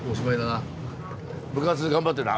部活頑張ってな。